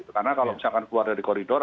karena kalau misalkan keluar dari koridor